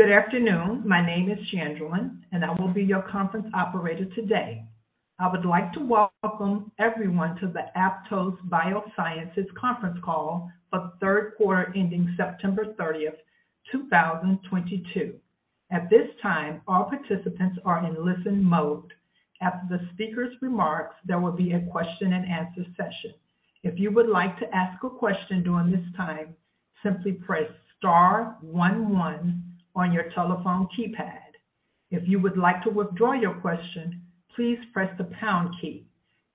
Good afternoon. My name is Chandralyn, and I will be your conference operator today. I would like to welcome everyone to the Aptose Biosciences conference call for third quarter ending September 30, 2022. At this time, all participants are in listen mode. After the speaker's remarks, there will be a question-and-answer session. If you would like to ask a question during this time, simply press star one one on your telephone keypad. If you would like to withdraw your question, please press the pound key.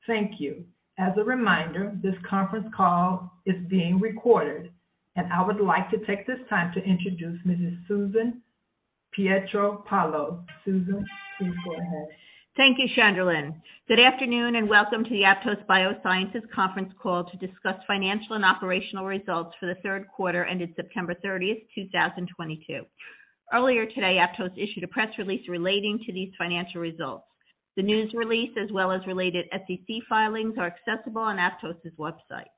Thank you. As a reminder, this conference call is being recorded. I would like to take this time to introduce Mrs. Susan Pietropaolo. Susan, please go ahead. Thank you, Chandralyn. Good afternoon, and welcome to the Aptose Biosciences conference call to discuss financial and operational results for the third quarter ended September 30, 2022. Earlier today, Aptose issued a press release relating to these financial results. The news release, as well as related SEC filings, are accessible on Aptose's website.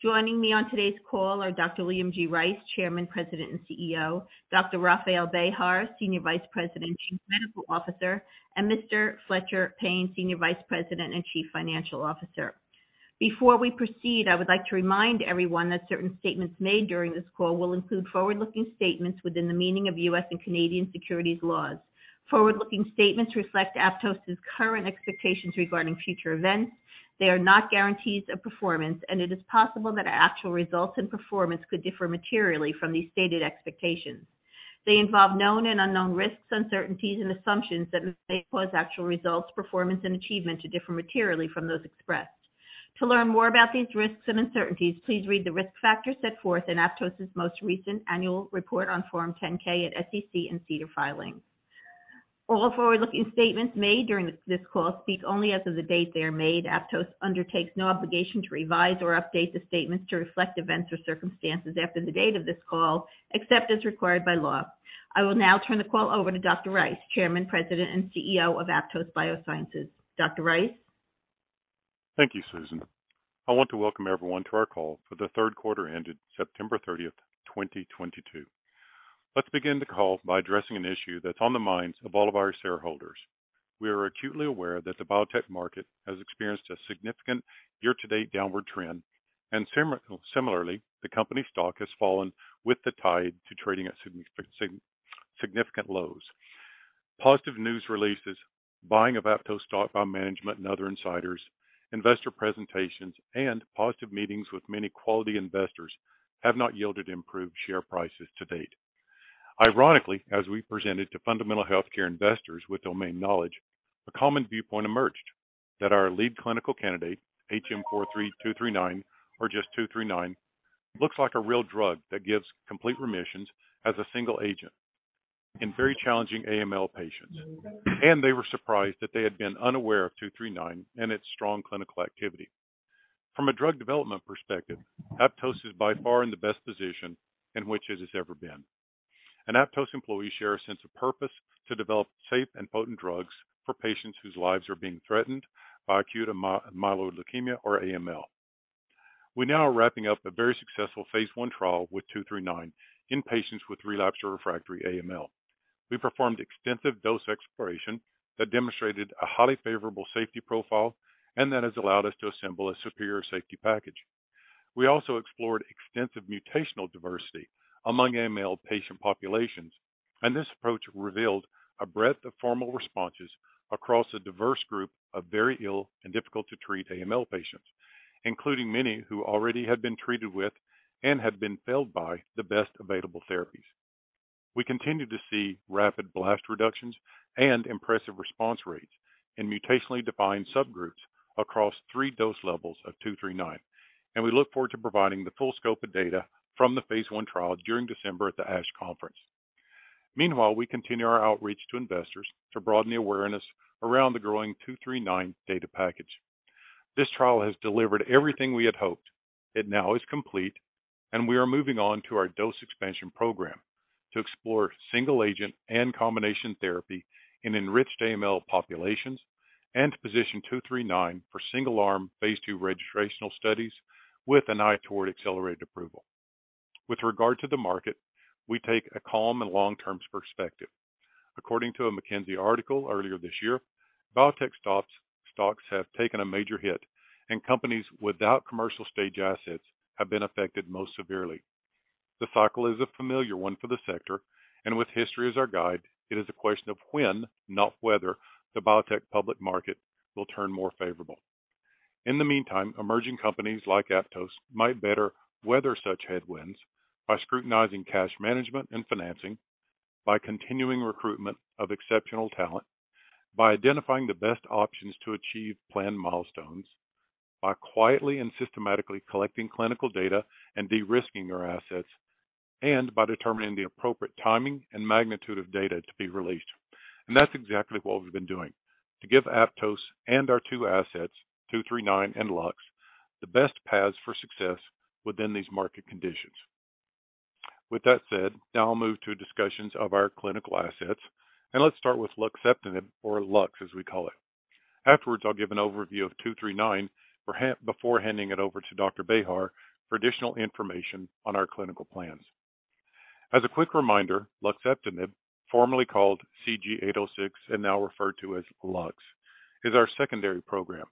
Joining me on today's call are Dr. William G. Rice, Chairman, President, and CEO; Dr. Rafael Bejar, Senior Vice President and Chief Medical Officer; and Mr. Fletcher Payne, Senior Vice President and Chief Financial Officer. Before we proceed, I would like to remind everyone that certain statements made during this call will include forward-looking statements within the meaning of U.S. and Canadian securities laws. Forward-looking statements reflect Aptose's current expectations regarding future events. They are not guarantees of performance, and it is possible that our actual results and performance could differ materially from these stated expectations. They involve known and unknown risks, uncertainties, and assumptions that may cause actual results, performance, and achievement to differ materially from those expressed. To learn more about these risks and uncertainties, please read the risk factors set forth in Aptose's most recent annual report on Form 10-K at SEC and SEDAR filings. All forward-looking statements made during this call speak only as of the date they are made. Aptose undertakes no obligation to revise or update the statements to reflect events or circumstances after the date of this call, except as required by law. I will now turn the call over to Dr. Rice, Chairman, President, and CEO of Aptose Biosciences. Dr. Rice? Thank you, Susan. I want to welcome everyone to our call for the third quarter ended September 30, 2022. Let's begin the call by addressing an issue that's on the minds of all of our shareholders. We are acutely aware that the biotech market has experienced a significant year-to-date downward trend, and similarly, the company's stock has fallen with the tide to trading at significant lows. Positive news releases, buying of Aptose stock by management and other insiders, investor presentations, and positive meetings with many quality investors have not yielded improved share prices to date. Ironically, as we presented to fundamental healthcare investors with domain knowledge, a common viewpoint emerged that our lead clinical candidate, HM43239, or just 239, looks like a real drug that gives complete remissions as a single agent in very challenging AML patients, and they were surprised that they had been unaware of 239 and its strong clinical activity. From a drug development perspective, Aptose is by far in the best position in which it has ever been. Aptose employees share a sense of purpose to develop safe and potent drugs for patients whose lives are being threatened by acute myeloid leukemia, or AML. We now are wrapping up a very successful phase I trial with 239 in patients with relapsed or refractory AML. We performed extensive dose exploration that demonstrated a highly favorable safety profile and that has allowed us to assemble a superior safety package. We also explored extensive mutational diversity among AML patient populations, and this approach revealed a breadth of favorable responses across a diverse group of very ill and difficult to treat AML patients, including many who already had been treated with and had been failed by the best available therapies. We continue to see rapid blast reductions and impressive response rates in mutationally defined subgroups across three dose levels of 239, and we look forward to providing the full scope of data from the phase I trial during December at the ASH conference. Meanwhile, we continue our outreach to investors to broaden the awareness around the growing 239 data package. This trial has delivered everything we had hoped. It now is complete, and we are moving on to our dose expansion program to explore single agent and combination therapy in enriched AML populations and to position HM43239 for single-arm phase II registrational studies with an eye toward accelerated approval. With regard to the market, we take a calm and long-term perspective. According to a McKinsey article earlier this year, biotech stocks have taken a major hit, and companies without commercial-stage assets have been affected most severely. The cycle is a familiar one for the sector, and with history as our guide, it is a question of when, not whether, the biotech public market will turn more favorable. In the meantime, emerging companies like Aptose might better weather such headwinds by scrutinizing cash management and financing, by continuing recruitment of exceptional talent, by identifying the best options to achieve planned milestones, by quietly and systematically collecting clinical data and de-risking our assets, and by determining the appropriate timing and magnitude of data to be released. That's exactly what we've been doing to give Aptose and our two assets, HM43239 and Lux, the best paths for success within these market conditions. With that said, now I'll move to discussions of our clinical assets, and let's start with luxeptinib or Lux, as we call it. Afterwards, I'll give an overview of HM43239 before handing it over to Dr. Bejar for additional information on our clinical plans. As a quick reminder, luxeptinib, formerly called CG-806 and now referred to as LUX, is our secondary program.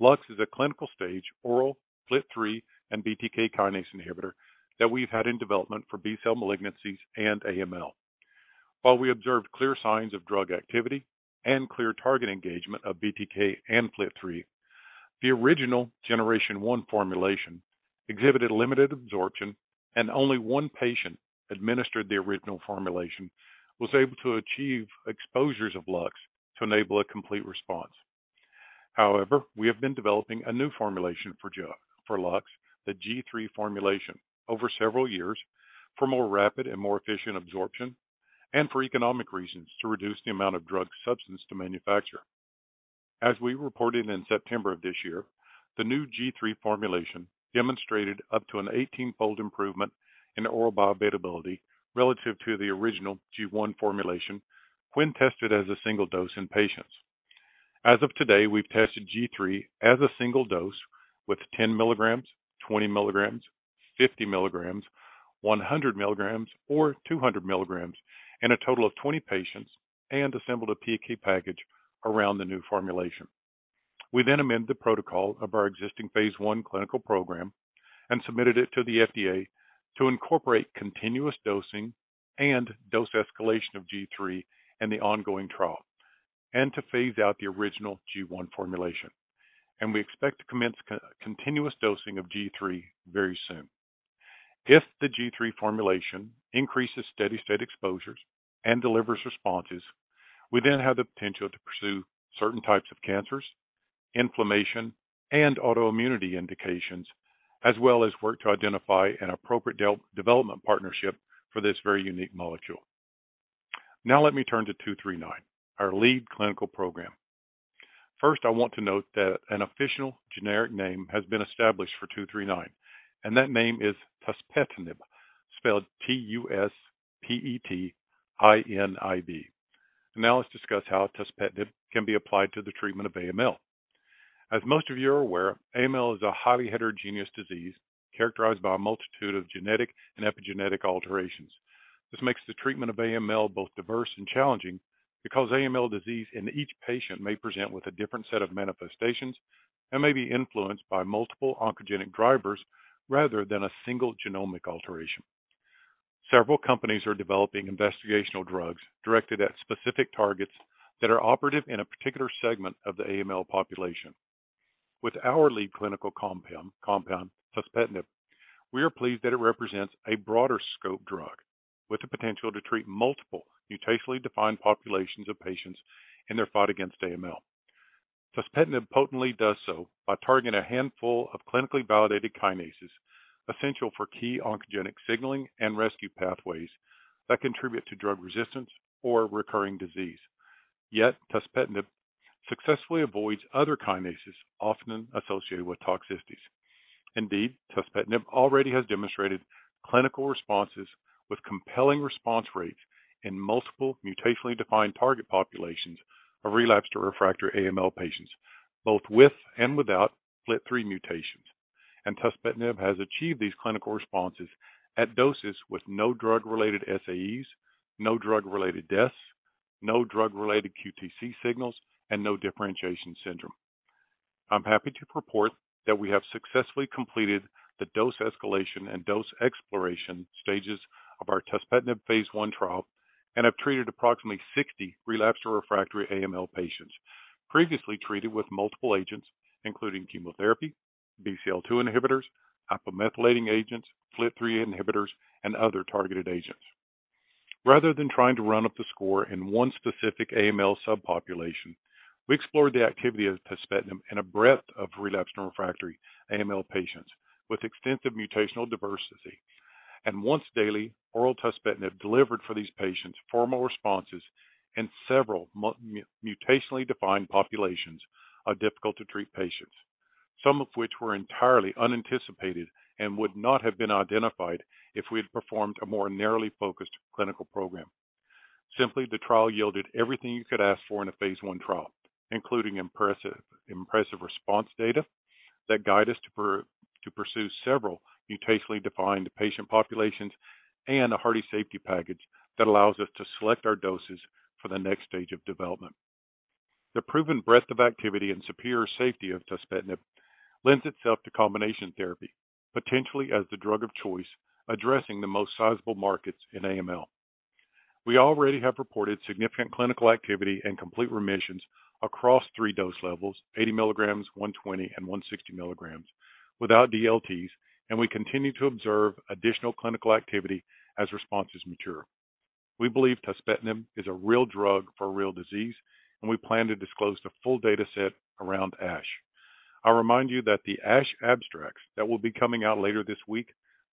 LUX is a clinical-stage oral FLT3 and BTK kinase inhibitor that we've had in development for B-cell malignancies and AML. While we observed clear signs of drug activity and clear target engagement of BTK and FLT3, the original G1 formulation exhibited limited absorption, and only one patient administered the original formulation was able to achieve exposures of LUX to enable a complete response. However, we have been developing a new formulation for LUX, the G3 formulation, over several years for more rapid and more efficient absorption and for economic reasons to reduce the amount of drug substance to manufacture. As we reported in September of this year, the new G3 formulation demonstrated up to an 18-fold improvement in oral bioavailability relative to the original G1 formulation when tested as a single dose in patients. As of today, we've tested G3 as a single dose with 10 milligrams, 20 milligrams, 50 milligrams, 100 milligrams, or 200 milligrams in a total of 20 patients and assembled a PK package around the new formulation. We then amend the protocol of our existing phase I clinical program and submitted it to the FDA to incorporate continuous dosing and dose escalation of G3 in the ongoing trial and to phase out the original G1 formulation. We expect to commence continuous dosing of G3 very soon. If the G3 formulation increases steady-state exposures and delivers responses, we then have the potential to pursue certain types of cancers, inflammation, and autoimmunity indications, as well as work to identify an appropriate development partnership for this very unique molecule. Now let me turn to HM43239, our lead clinical program. First, I want to note that an official generic name has been established for HM43239, and that name is Tuspetinib, spelled T-U-S-P-E-T-I-N-I-B. Now let's discuss how Tuspetinib can be applied to the treatment of AML. As most of you are aware, AML is a highly heterogeneous disease characterized by a multitude of genetic and epigenetic alterations. This makes the treatment of AML both diverse and challenging because AML disease in each patient may present with a different set of manifestations and may be influenced by multiple oncogenic drivers rather than a single genomic alteration. Several companies are developing investigational drugs directed at specific targets that are operative in a particular segment of the AML population. With our lead clinical compound, Tuspetinib, we are pleased that it represents a broader scope drug with the potential to treat multiple mutationally defined populations of patients in their fight against AML. Tuspetinib potently does so by targeting a handful of clinically validated kinases essential for key oncogenic signaling and rescue pathways that contribute to drug resistance or recurring disease. Yet Tuspetinib successfully avoids other kinases often associated with toxicities. Indeed, Tuspetinib already has demonstrated clinical responses with compelling response rates in multiple mutationally defined target populations of relapsed or refractory AML patients, both with and without FLT3 mutations. Tuspetinib has achieved these clinical responses at doses with no drug-related SAEs, no drug-related deaths, no drug-related QTc signals, and no differentiation syndrome. I'm happy to report that we have successfully completed the dose escalation and dose exploration stages of our Tuspetinib phase I trial and have treated approximately 60 relapsed or refractory AML patients previously treated with multiple agents, including chemotherapy, BCL-2 inhibitors, hypomethylating agents, FLT3 inhibitors, and other targeted agents. Rather than trying to run up the score in one specific AML subpopulation, we explored the activity of Tuspetinib in a breadth of relapsed or refractory AML patients with extensive mutational diversity. Once-daily oral Tuspetinib delivered for these patients formal responses in several mutationally defined populations of difficult to treat patients, some of which were entirely unanticipated and would not have been identified if we had performed a more narrowly focused clinical program. Simply, the trial yielded everything you could ask for in a phase I trial, including impressive response data that guide us to pursue several mutationally defined patient populations and a hearty safety package that allows us to select our doses for the next stage of development. The proven breadth of activity and superior safety of Tuspetinib lends itself to combination therapy, potentially as the drug of choice, addressing the most sizable markets in AML. We already have reported significant clinical activity and complete remissions across three dose levels, 80 milligrams, 120, and 160 milligrams without DLTs, and we continue to observe additional clinical activity as responses mature. We believe Tuspetinib is a real drug for a real disease and we plan to disclose the full data set around ASH. I'll remind you that the ASH abstracts that will be coming out later this week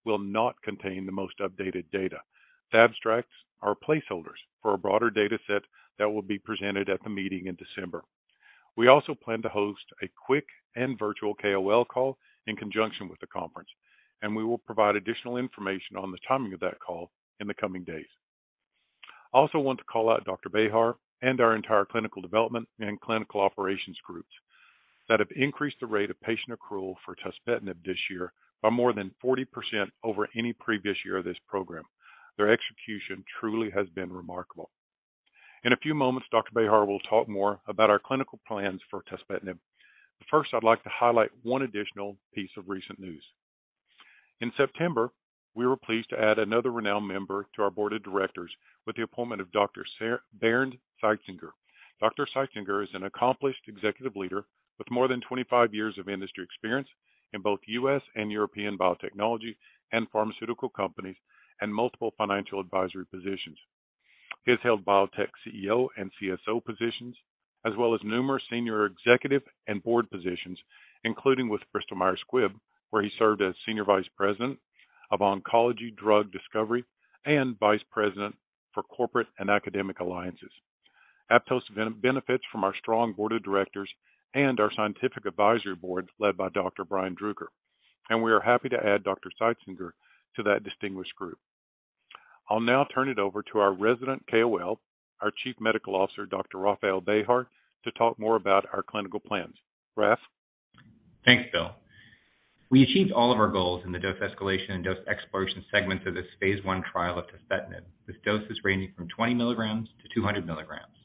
will not contain the most updated data. The abstracts are placeholders for a broader data set that will be presented at the meeting in December. We also plan to host a quick and virtual KOL call in conjunction with the conference, and we will provide additional information on the timing of that call in the coming days. I also want to call out Dr. Bejar and our entire clinical development and clinical operations groups that have increased the rate of patient accrual for tuspetinib this year by more than 40% over any previous year of this program. Their execution truly has been remarkable. In a few moments, Dr. Bejar will talk more about our clinical plans for tuspetinib. First, I'd like to highlight one additional piece of recent news. In September, we were pleased to add another renowned member to our board of directors with the appointment of Dr. Bernd R. Seizinger. Dr. Seizinger is an accomplished executive leader with more than 25 years of industry experience in both U.S. and European biotechnology and pharmaceutical companies and multiple financial advisory positions. He has held biotech CEO and CSO positions as well as numerous senior executive and board positions, including with Bristol Myers Squibb, where he served as Senior Vice President of Oncology, Drug Discovery and Vice President for Corporate and Academic Alliances. Aptose benefits from our strong board of directors and our scientific advisory boards led by Dr. Brian Druker, and we are happy to add Dr. Seizinger to that distinguished group. I'll now turn it over to our resident KOL, our Chief Medical Officer, Dr. Rafael Bejar, to talk more about our clinical plans. Raf? Thanks, Bill. We achieved all of our goals in the dose escalation and dose exploration segments of this phase I trial of tuspetinib, with doses ranging from 20 milligrams-200 milligrams.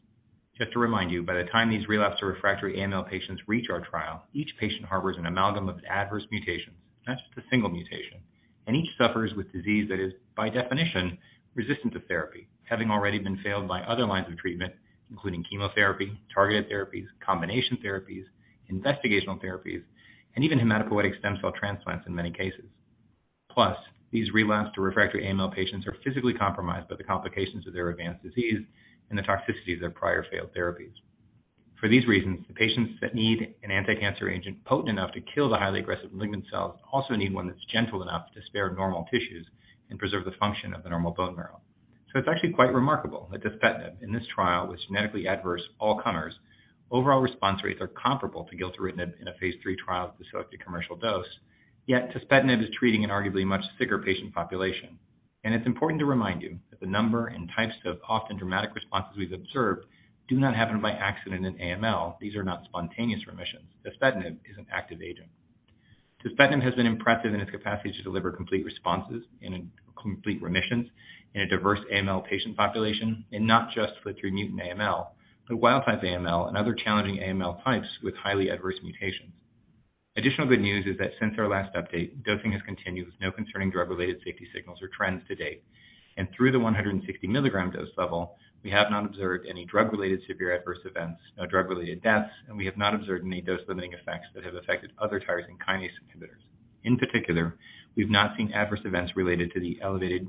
Just to remind you, by the time these relapsed or refractory AML patients reach our trial, each patient harbors an amalgam of adverse mutations, not just a single mutation, and each suffers with disease that is, by definition, resistant to therapy, having already been failed by other lines of treatment, including chemotherapy, targeted therapies, combination therapies, investigational therapies, and even hematopoietic stem cell transplants in many cases. Plus, these relapsed or refractory AML patients are physically compromised by the complications of their advanced disease and the toxicities of prior failed therapies. For these reasons, the patients that need an anticancer agent potent enough to kill the highly aggressive leukemic cells also need one that's gentle enough to spare normal tissues and preserve the function of the normal bone marrow. It's actually quite remarkable that Tuspetinib in this trial with genetically adverse all comers overall response rates are comparable to gilteritinib in a phase III trial at the selected commercial dose. Yet Tuspetinib is treating an arguably much sicker patient population. It's important to remind you that the number and types of often dramatic responses we've observed do not happen by accident in AML. These are not spontaneous remissions. Tuspetinib is an active agent. Tuspetinib has been impressive in its capacity to deliver complete responses and complete remissions in a diverse AML patient population, and not just FLT3 mutant AML, but wild type AML and other challenging AML types with highly adverse mutations. Additional good news is that since our last update, dosing has continued with no concerning drug-related safety signals or trends to date. Through the 160-milligram dose level, we have not observed any drug-related severe adverse events, no drug-related deaths, and we have not observed any dose-limiting effects that have affected other tyrosine kinase inhibitors. In particular, we've not seen adverse events related to the elevated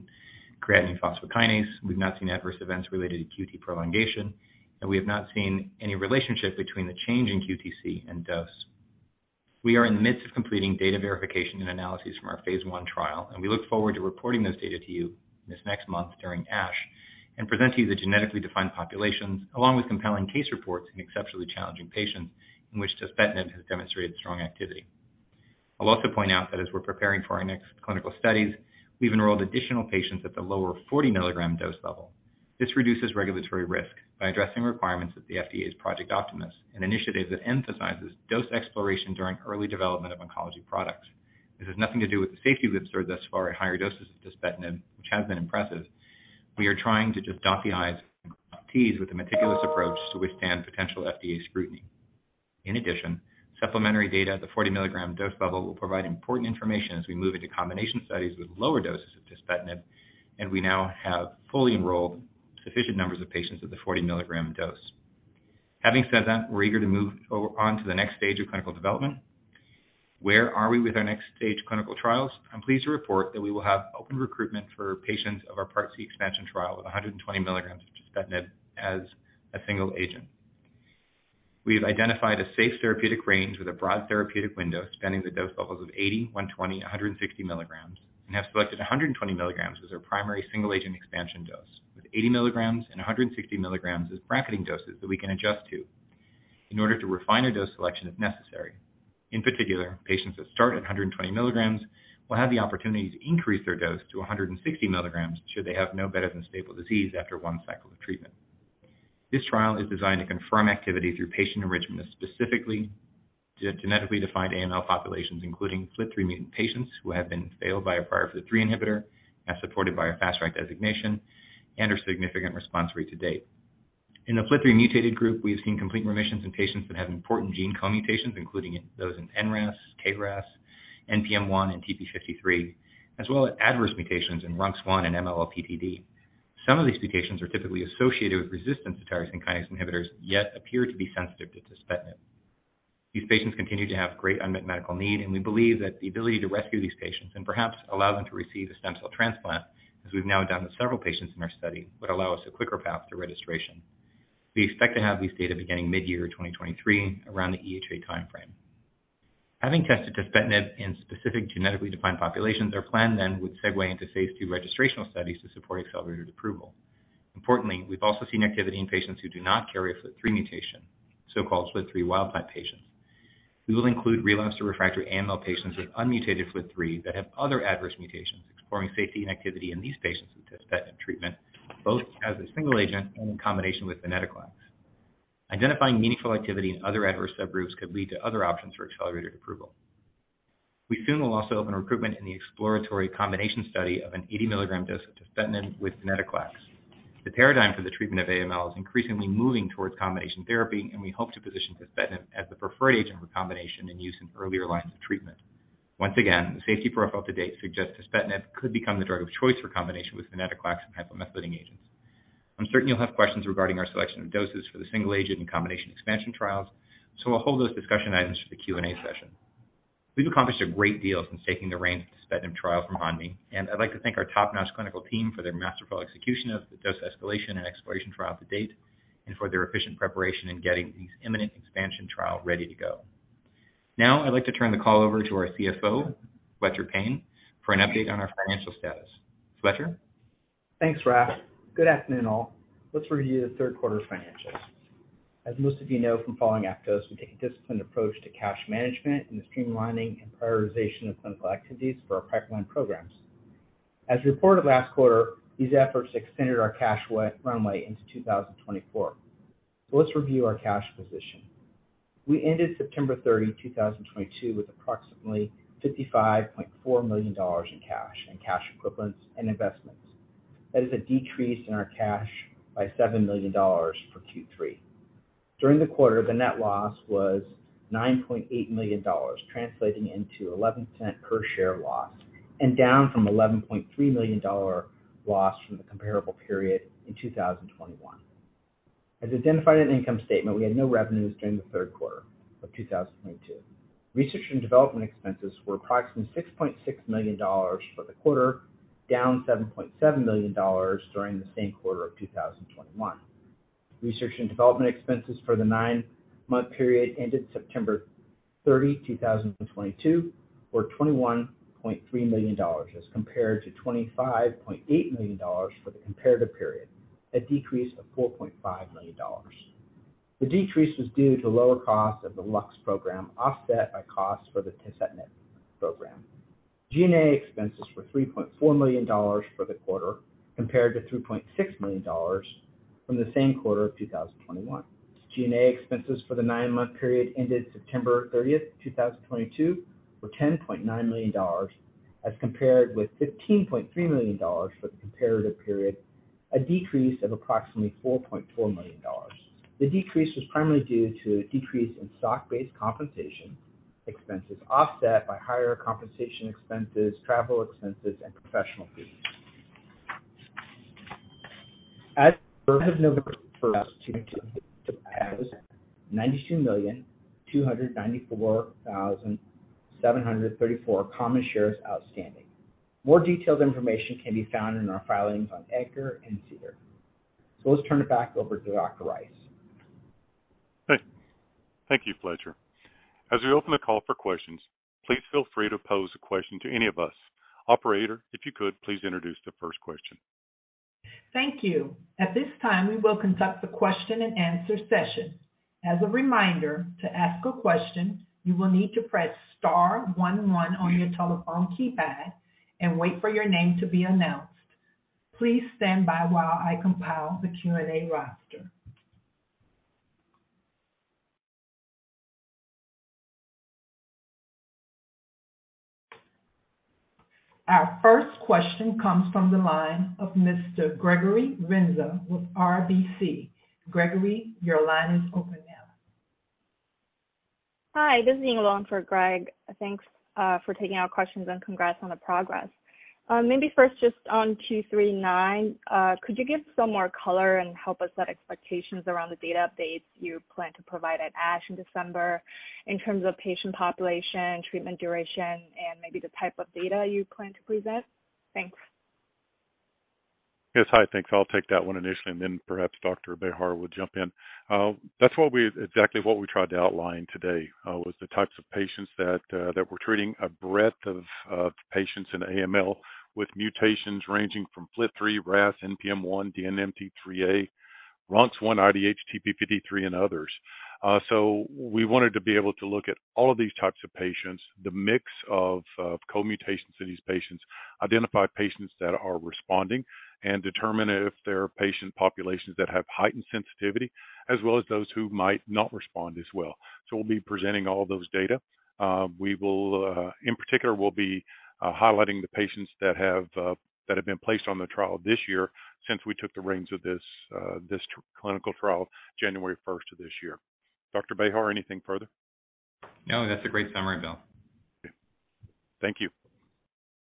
creatine phosphokinase. We've not seen adverse events related to QT prolongation, and we have not seen any relationship between the change in QTc and dose. We are in the midst of completing data verification and analyses from our phase I trial, and we look forward to reporting those data to you this next month during ASH and present to you the genetically defined populations along with compelling case reports in exceptionally challenging patients in which Tuspetinib has demonstrated strong activity. I'll also point out that as we're preparing for our next clinical studies, we've enrolled additional patients at the lower 40 milligram dose level. This reduces regulatory risk by addressing requirements of the FDA's Project Optimus, an initiative that emphasizes dose exploration during early development of oncology products. This has nothing to do with the safety we've observed thus far at higher doses of Tuspetinib, which has been impressive. We are trying to just dot the I's and cross T's with a meticulous approach to withstand potential FDA scrutiny. In addition, supplementary data at the 40-milligram dose level will provide important information as we move into combination studies with lower doses of tuspetinib, and we now have fully enrolled sufficient numbers of patients at the 40-milligram dose. Having said that, we're eager to move on to the next stage of clinical development. Where are we with our next stage clinical trials? I'm pleased to report that we will have open recruitment for patients of our Part C expansion trial with 120 milligrams of tuspetinib as a single agent. We have identified a safe therapeutic range with a broad therapeutic window spanning the dose levels of 80, 120, 160 milligrams, and have selected 120 milligrams as our primary single agent expansion dose with 80 milligrams and 160 milligrams as bracketing doses that we can adjust to in order to refine our dose selection if necessary. In particular, patients that start at 120 milligrams will have the opportunity to increase their dose to 160 milligrams should they have no better than stable disease after one cycle of treatment. This trial is designed to confirm activity through patient enrichment, specifically genetically defined AML populations, including FLT3 mutant patients who have been failed by a prior FLT3 inhibitor, as supported by our Fast Track designation and our significant response rate to date. In the FLT3 mutated group, we have seen complete remissions in patients that have important gene co-mutations, including those in NRAS, KRAS, NPM1, and TP53, as well as adverse mutations in RUNX1 and MLL-PTD. Some of these mutations are typically associated with resistance to tyrosine kinase inhibitors, yet appear to be sensitive to tuspetinib. These patients continue to have great unmet medical need, and we believe that the ability to rescue these patients and perhaps allow them to receive a stem cell transplant, as we've now done with several patients in our study, would allow us a quicker path to registration. We expect to have these data beginning mid-year 2023 around the EHA timeframe. Having tested tuspetinib in specific genetically defined populations, our plan then would segue into phase II registrational studies to support accelerated approval. Importantly, we've also seen activity in patients who do not carry a FLT3 mutation, so-called FLT3 wild type patients. We will include relapsed or refractory AML patients with unmutated FLT3 that have other adverse mutations, exploring safety and activity in these patients with tuspetinib treatment, both as a single agent and in combination with venetoclax. Identifying meaningful activity in other adverse subgroups could lead to other options for accelerated approval. We soon will also open recruitment in the exploratory combination study of an 80 mg dose of tuspetinib with venetoclax. The paradigm for the treatment of AML is increasingly moving towards combination therapy, and we hope to position tuspetinib as the preferred agent for combination and use in earlier lines of treatment. Once again, the safety profile to date suggests tuspetinib could become the drug of choice for combination with venetoclax and hypomethylating agents. I'm certain you'll have questions regarding our selection of doses for the single agent and combination expansion trials, so we'll hold those discussion items for the Q&A session. We've accomplished a great deal since taking the reins of the Tuspetinib trial from Hanmi Pharmaceutical, and I'd like to thank our top-notch clinical team for their masterful execution of the dose escalation and exploration trial to date and for their efficient preparation in getting these imminent expansion trial ready to go. Now, I'd like to turn the call over to our CFO, Fletcher Payne, for an update on our financial status. Fletcher? Thanks, Raf. Good afternoon, all. Let's review the third quarter financials. As most of you know from following Aptose, we take a disciplined approach to cash management and the streamlining and prioritization of clinical activities for our pipeline programs. As reported last quarter, these efforts extended our cash runway into 2024. Let's review our cash position. We ended September 30, 2022, with approximately $55.4 million in cash and cash equivalents and investments. That is a decrease in our cash by $7 million for Q3. During the quarter, the net loss was $9.8 million, translating into $0.11 per share loss and down from $11.3 million loss from the comparable period in 2021. As identified in the income statement, we had no revenues during the third quarter of 2022. Research and development expenses were approximately $6.6 million for the quarter, down $7.7 million during the same quarter of 2021. Research and development expenses for the 9-month period ended September 30, 2022, were $21.3 million as compared to $25.8 million for the comparative period, a decrease of $4.5 million. The decrease was due to lower costs of the LUX program, offset by costs for the tuspetinib program. G&A expenses were $3.4 million for the quarter, compared to $2.6 million from the same quarter of 2021. G&A expenses for the 9-month period ended September 30th, 2022, were $10.9 million as compared with $15.3 million for the comparative period, a decrease of approximately $4.4 million. The decrease was primarily due to a decrease in stock-based compensation expenses offset by higher compensation expenses, travel expenses, and professional fees. As of November first, 2022, Aptose had 92,294,734 common shares outstanding. More detailed information can be found in our filings on EDGAR and SEDAR. Let's turn it back over to Dr. Rice. Thank you, Fletcher. As we open the call for questions, please feel free to pose a question to any of us. Operator, if you could, please introduce the first question. Thank you. At this time, we will conduct the question-and-answer session. As a reminder, to ask a question, you will need to press star one one on your telephone keypad and wait for your name to be announced. Please stand by while I compile the Q&A roster. Our first question comes from the line of Mr. Gregory Renza with RBC. Gregory, your line is open now. Hi, this is Ying Wang for Greg. Thanks, for taking our questions, and congrats on the progress. Maybe first just on HM43239, could you give some more color and help us set expectations around the data updates you plan to provide at ASH in December in terms of patient population, treatment duration, and maybe the type of data you plan to present? Thanks. Yes. Hi. Thanks. I'll take that one initially, and then perhaps Dr. Bejar will jump in. That's exactly what we tried to outline today was the types of patients that we're treating a breadth of patients in AML with mutations ranging from FLT3, RAS, NPM1, DNMT3A, RUNX1, IDH, TP53, and others. We wanted to be able to look at all of these types of patients, the mix of co-mutations in these patients, identify patients that are responding, and determine if there are patient populations that have heightened sensitivity, as well as those who might not respond as well. We'll be presenting all those data. In particular, we'll be highlighting the patients that have been placed on the trial this year since we took the reins of this clinical trial January first of this year. Dr. Bejar, anything further? No, that's a great summary, Bill. Thank you.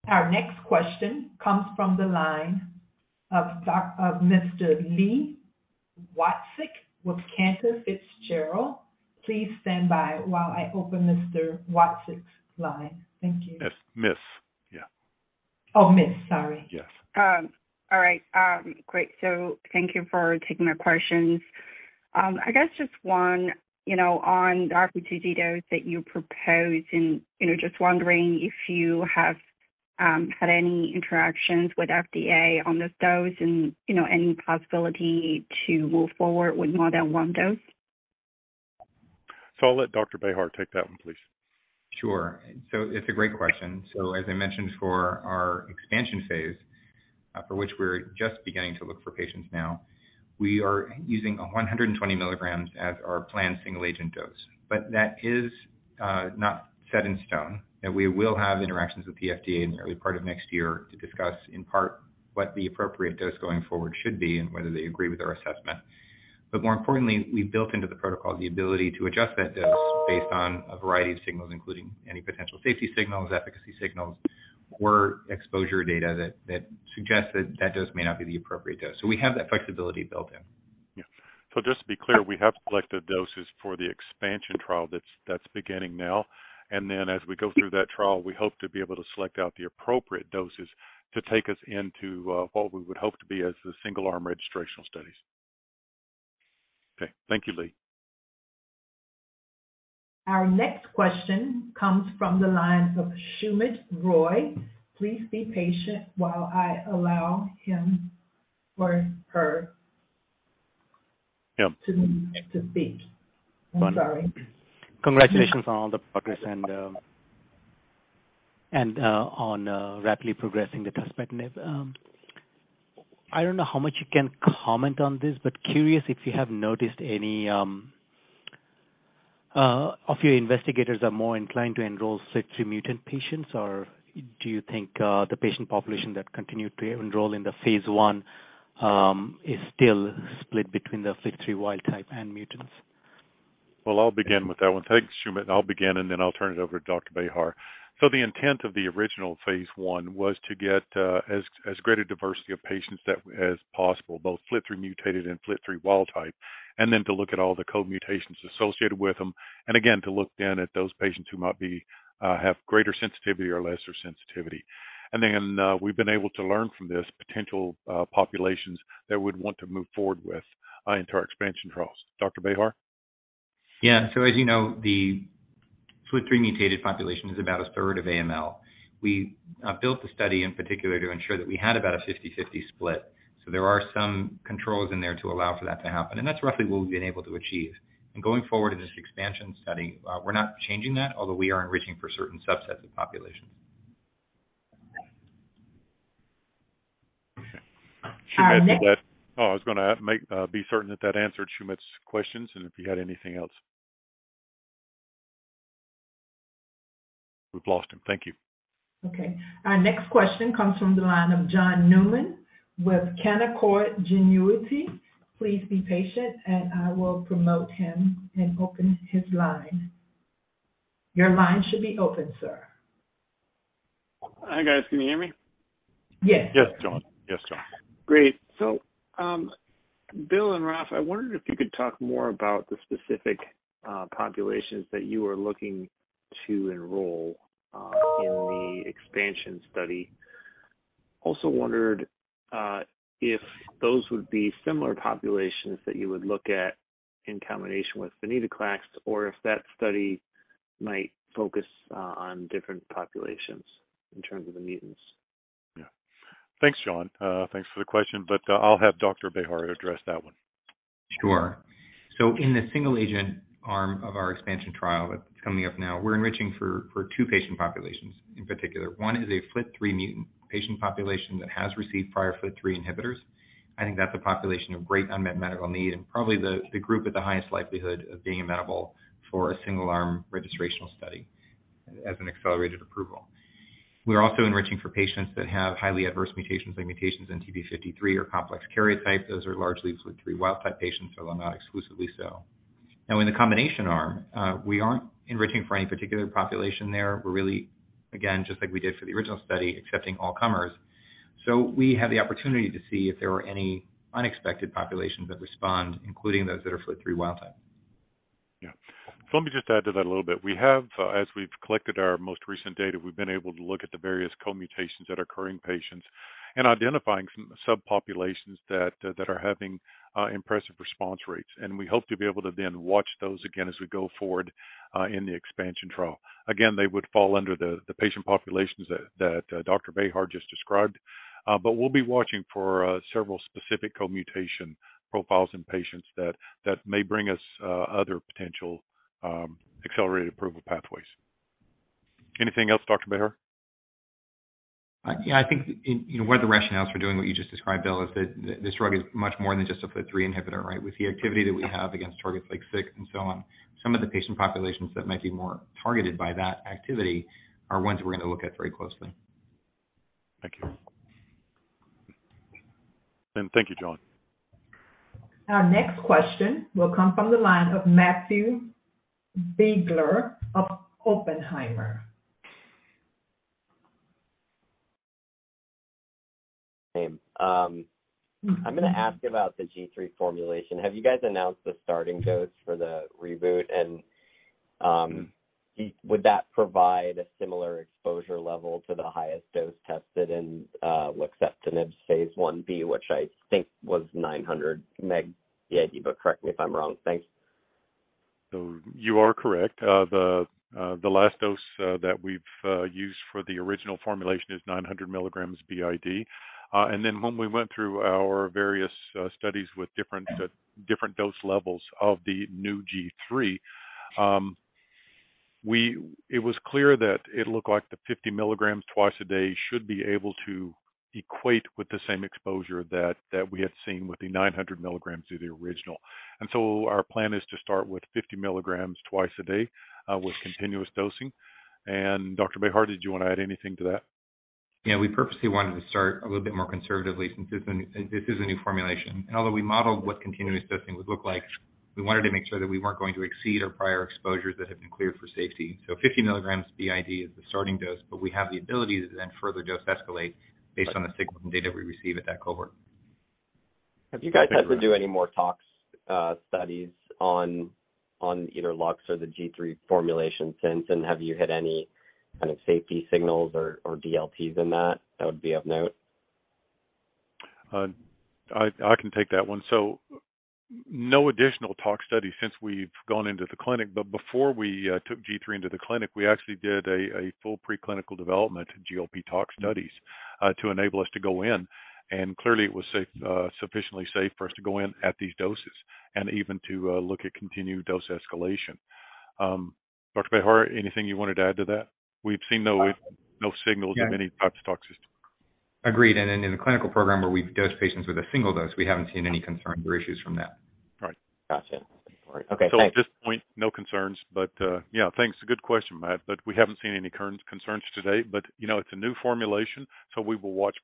Our next question comes from the line of Mr. Li Watsek with Cantor Fitzgerald. Please stand by while I open Mr. Watsek's line. Thank you. Miss. Yeah. Oh, miss. Sorry. Yes. All right. Great. Thank you for taking my questions. I guess just one, you know, on the RP2D dose that you propose and, you know, just wondering if you have had any interactions with FDA on this dose and, you know, any possibility to move forward with more than one dose? I'll let Dr. Bejar take that one, please. Sure. It's a great question. As I mentioned for our expansion phase, for which we're just beginning to look for patients now, we are using 120 milligrams as our planned single-agent dose. That is not set in stone, and we will have interactions with the FDA in the early part of next year to discuss, in part, what the appropriate dose going forward should be and whether they agree with our assessment. More importantly, we built into the protocol the ability to adjust that dose based on a variety of signals, including any potential safety signals, efficacy signals, or exposure data that suggests that that dose may not be the appropriate dose. We have that flexibility built in. Yeah. Just to be clear, we have selected doses for the expansion trial that's beginning now. Then as we go through that trial, we hope to be able to select out the appropriate doses to take us into what we would hope to be as the single-arm registrational studies. Okay. Thank you, Li. Our next question comes from the line of Soumit Roy. Please be patient while I allow him or her to speak. I'm sorry. Congratulations on all the progress and on rapidly progressing the tuspetinib. I don't know how much you can comment on this, but curious if you have noticed any of your investigators are more inclined to enroll FLT3 mutant patients, or do you think the patient population that continued to enroll in the phase I is still split between the FLT3 wild type and mutants? Well, I'll begin with that one. Thanks, Soumit. I'll begin, and then I'll turn it over to Dr. Bejar. The intent of the original phase I was to get as great a diversity of patients as possible, both FLT3 mutated and FLT3 wild type, and then to look at all the co-mutations associated with them, and again to look then at those patients who might have greater sensitivity or lesser sensitivity. Then we've been able to learn from these potential populations that we'd want to move forward with into our expansion trials. Dr. Bejar? Yeah. As you know, the FLT3 mutated population is about 1/3 of AML. We built the study in particular to ensure that we had about a 50/50 split. There are some controls in there to allow for that to happen, and that's roughly what we've been able to achieve. Going forward in this expansion study, we're not changing that, although we are enriching for certain subsets of populations. Okay. Soumit, with that. Uh, next- I was gonna make certain that that answered Soumit's questions and if he had anything else. We've lost him. Thank you. Okay. Our next question comes from the line of John Newman with Canaccord Genuity. Please be patient, and I will promote him and open his line. Your line should be open, sir. Hi, guys. Can you hear me? Yes. Yes, John. Great. Bill and Raf, I wondered if you could talk more about the specific populations that you are looking to enroll in the expansion study. Also wondered if those would be similar populations that you would look at in combination with venetoclax or if that study might focus on different populations in terms of the mutations. Yeah. Thanks, John. Thanks for the question, but, I'll have Dr. Bejar address that one. Sure. In the single-agent arm of our expansion trial that's coming up now, we're enriching for two patient populations in particular. One is a FLT3 mutant patient population that has received prior FLT3 inhibitors. I think that's a population of great unmet medical need and probably the group with the highest likelihood of being amenable for a single-arm registrational study as an accelerated approval. We're also enriching for patients that have highly adverse mutations, like mutations in TP53 or complex karyotype. Those are largely FLT3 wild type patients, although not exclusively so. Now in the combination arm, we aren't enriching for any particular population there. We're really, again, just like we did for the original study, accepting all comers. We have the opportunity to see if there are any unexpected populations that respond, including those that are FLT3 wild type. Yeah. Let me just add to that a little bit. We have, as we've collected our most recent data, we've been able to look at the various co-mutations that occur in patients and identifying some subpopulations that are having impressive response rates. We hope to be able to then watch those again as we go forward in the expansion trial. Again, they would fall under the patient populations that Dr. Bejar just described. We'll be watching for several specific co-mutation profiles in patients that may bring us other potential accelerated approval pathways. Anything else, Dr. Bejar? Yeah, I think in, you know, one of the rationales for doing what you just described, Bill, is that this drug is much more than just a FLT3 inhibitor, right? With the activity that we have against targets like SYK and so on, some of the patient populations that might be more targeted by that activity are ones we're gonna look at very closely. Thank you. Thank you, John. Our next question will come from the line of Matthew Biegler of Oppenheimer. Same. I'm gonna ask about the G3 formulation. Have you guys announced the starting dose for the reboot? Would that provide a similar exposure level to the highest dose tested in luxeptinib's phase Ib, which I think was 900 mg? Yeah, but correct me if I'm wrong. Thanks. You are correct. The last dose that we've used for the original formulation is 900 milligrams BID. Then when we went through our various studies with different dose levels of the new G3, it was clear that it looked like the 50 milligrams twice a day should be able to equate with the same exposure that we had seen with the 900 milligrams of the original. Our plan is to start with 50 milligrams twice a day with continuous dosing. Dr. Bejar, did you wanna add anything to that? Yeah. We purposely wanted to start a little bit more conservatively since this is a new formulation. Although we modeled what continuous dosing would look like, we wanted to make sure that we weren't going to exceed our prior exposures that have been cleared for safety. 50 milligrams BID is the starting dose, but we have the ability to then further dose escalate based on the signal and data we receive at that cohort. Have you guys had to do any more tox studies on either Lux or the G3 formulation since? Have you had any kind of safety signals or DLTs in that that would be of note? I can take that one. No additional tox studies since we've gone into the clinic. Before we took G3 into the clinic, we actually did a full preclinical development GLP tox studies to enable us to go in, and clearly it was safe, sufficiently safe for us to go in at these doses and even to look at continued dose escalation. Dr. Bejar, anything you wanted to add to that? We've seen no signals of any type of toxicity. Agreed. In the clinical program where we've dosed patients with a single dose, we haven't seen any concerns or issues from that. Right. Gotcha. All right. Okay, thanks. At this point, no concerns. Thanks. Good question, Matt, but we haven't seen any concerns today. You know, it's a new formulation, so we will watch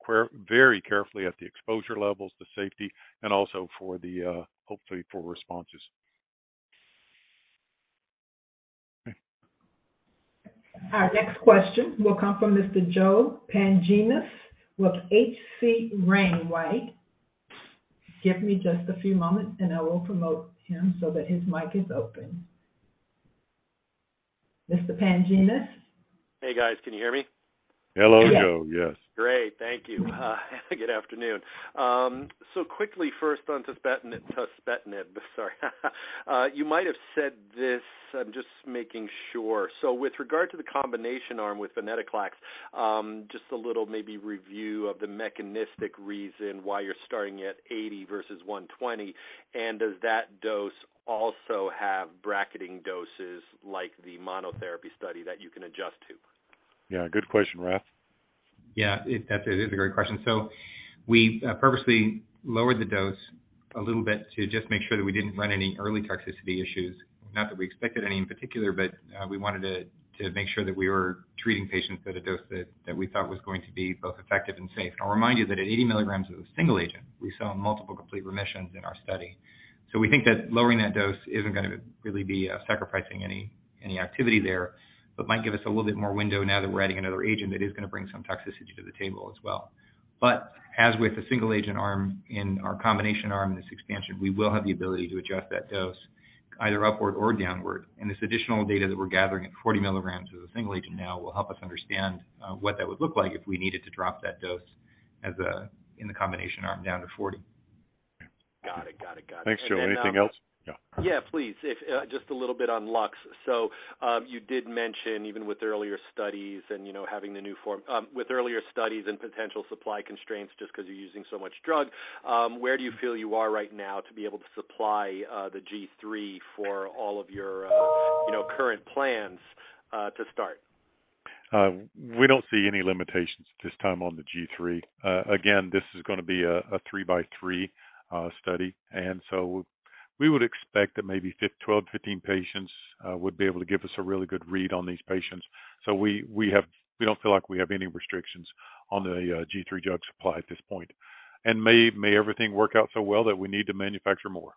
very carefully at the exposure levels, the safety, and also for the, hopefully for responses. Thanks. Our next question will come from Mr. Joe Pantginis with H.C. Wainwright. Give me just a few moments, and I will promote him so that his mic is open. Mr. Pantginis? Hey, guys. Can you hear me? Hello, Joe. Yes. Great. Thank you. Good afternoon. Quickly first on tuspetinib. Sorry. You might have said this. I'm just making sure. With regard to the combination arm with venetoclax, just a little review of the mechanistic reason why you're starting at 80 versus 120, and does that dose also have bracketing doses like the monotherapy study that you can adjust to? Yeah, good question, Raf? That's a very great question. We purposely lowered the dose a little bit to just make sure that we didn't run any early toxicity issues. Not that we expected any in particular, but we wanted to make sure that we were treating patients at a dose that we thought was going to be both effective and safe. I'll remind you that at 80 milligrams of a single agent, we saw multiple complete remissions in our study. We think that lowering that dose isn't gonna really be sacrificing any activity there, but might give us a little bit more window now that we're adding another agent that is gonna bring some toxicity to the table as well. As with the single agent arm and our combination arm in this expansion, we will have the ability to adjust that dose either upward or downward. This additional data that we're gathering at 40 milligrams with a single agent now will help us understand what that would look like if we needed to drop that dose in the combination arm down to 40. Got it. Thanks, Joe. Anything else? Yeah. Yeah, please. Just a little bit on LUX. You did mention even with earlier studies and, you know, having the new form, potential supply constraints just 'cause you're using so much drug, where do you feel you are right now to be able to supply the G3 for all of your, you know, current plans to start? We don't see any limitations at this time on the G3. Again, this is gonna be a three-by-three study. We would expect that maybe 12-15 patients would be able to give us a really good read on these patients. We don't feel like we have any restrictions on the G3 drug supply at this point. May everything work out so well that we need to manufacture more.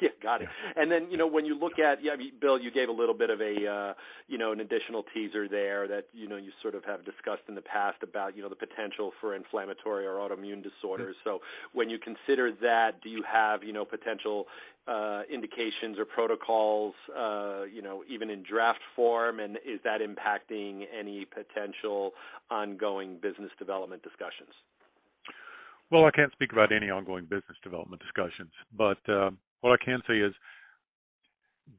Yeah, got it. Then, you know, when you look at, yeah, Bill, you gave a little bit of a, you know, an additional teaser there that, you know, you sort of have discussed in the past about, you know, the potential for inflammatory or autoimmune disorders. When you consider that, do you have, you know, potential, indications or protocols, you know, even in draft form, and is that impacting any potential ongoing business development discussions? Well, I can't speak about any ongoing business development discussions, but, what I can say is,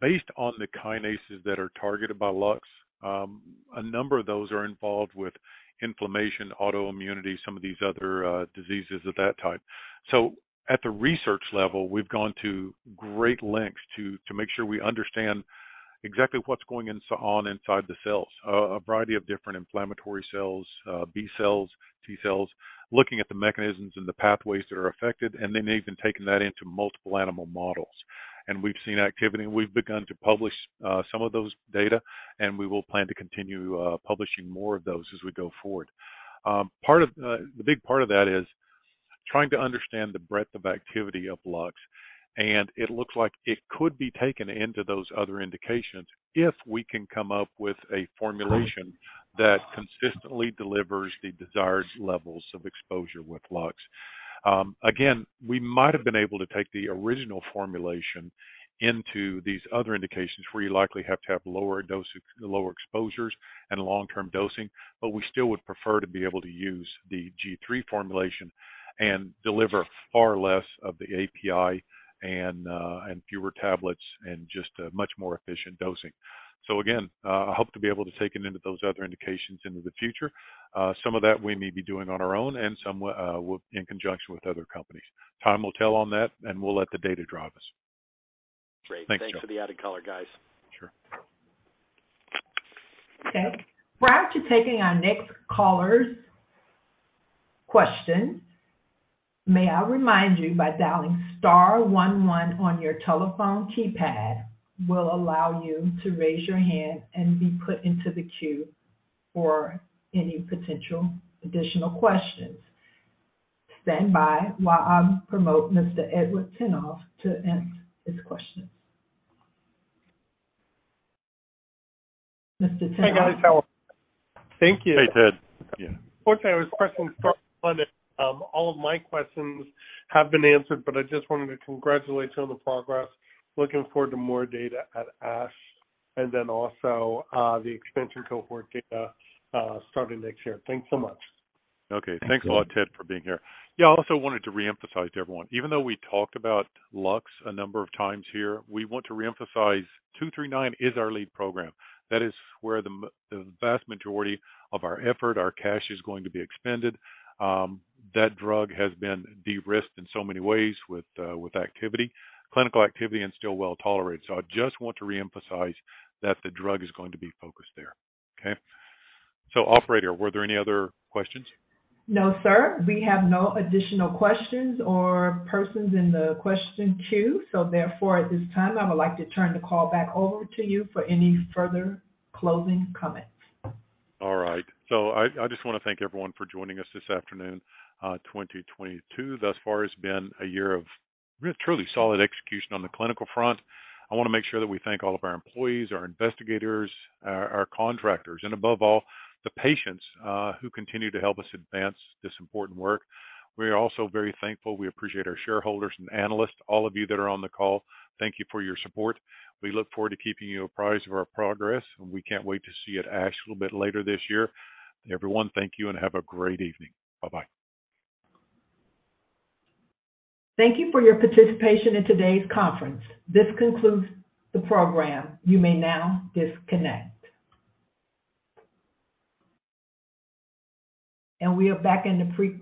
based on the kinases that are targeted by Lux, a number of those are involved with inflammation, autoimmunity, some of these other, diseases of that type. So at the research level, we've gone to great lengths to make sure we understand exactly what's going on inside the cells. A variety of different inflammatory cells, B cells, T cells, looking at the mechanisms and the pathways that are affected, and then even taking that into multiple animal models. We've seen activity, and we've begun to publish some of those data, and we will plan to continue publishing more of those as we go forward. Part of. The big part of that is trying to understand the breadth of activity of LUX, and it looks like it could be taken into those other indications if we can come up with a formulation that consistently delivers the desired levels of exposure with LUX. Again, we might have been able to take the original formulation into these other indications where you likely have to have lower exposures and long-term dosing. We still would prefer to be able to use the G3 formulation and deliver far less of the API and fewer tablets and just a much more efficient dosing. Again, I hope to be able to take it into those other indications into the future. Some of that we may be doing on our own and some will in conjunction with other companies. Time will tell on that, and we'll let the data drive us. Great. Thanks, Joe. Thanks for the added color, guys. Sure. Okay. Prior to taking our next caller's question, may I remind you by dialing star one one on your telephone keypad will allow you to raise your hand and be put into the queue for any potential additional questions. Stand by while I prompt Mr. Edward Tenthoff to ask his questions. Mr. Tenthoff. Hey, guys. How are? Thank you. Hey, Ted. Yeah. Unfortunately, I was pressing star one and all of my questions have been answered, but I just wanted to congratulate you on the progress. Looking forward to more data at ASH and then also the expansion cohort data starting next year. Thanks so much. Okay. Thanks a lot, Ted, for being here. Yeah, I also wanted to reemphasize to everyone, even though we talked about LUX a number of times here, we want to reemphasize HM43239 is our lead program. That is where the vast majority of our effort, our cash is going to be expended. That drug has been de-risked in so many ways with activity, clinical activity and still well tolerated. I just want to reemphasize that the drug is going to be focused there. Okay? Operator, were there any other questions? No, sir. We have no additional questions or persons in the question queue. Therefore, at this time, I would like to turn the call back over to you for any further closing comments. All right. I just wanna thank everyone for joining us this afternoon. 2022 thus far has been a year of truly solid execution on the clinical front. I wanna make sure that we thank all of our employees, our investigators, our contractors, and above all, the patients who continue to help us advance this important work. We are also very thankful. We appreciate our shareholders and analysts, all of you that are on the call. Thank you for your support. We look forward to keeping you apprised of our progress, and we can't wait to see it at ASH a little bit later this year. Everyone, thank you and have a great evening. Bye-bye. Thank you for your participation in today's conference. This concludes the program. You may now disconnect. Okay.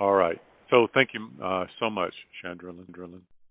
All right. Thank you so much, Chandralyn Drillen.